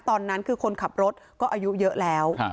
ตอนนั้นคือคนขับรถก็อายุเยอะแล้ว